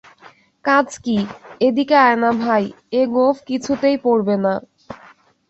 কাজ কী, এ দিকে আয় না ভাই, এ গোঁফ কিছুতেই পড়বে না।